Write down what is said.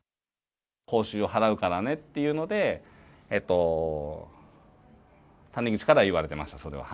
報酬を払うからねっていうので、谷口から言われてました、それは。